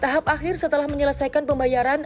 tahap akhir setelah menyelesaikan pembayaran